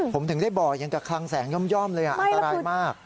ผมถึงได้บอกอย่างกับคลังแสงย่อมเลยอันตรายมาก